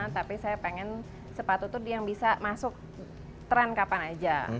tapi saya pengen sepatu itu yang bisa masuk tren kapan aja